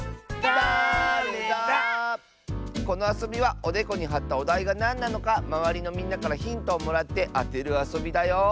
このあそびはおでこにはったおだいがなんなのかまわりのみんなからヒントをもらってあてるあそびだよ！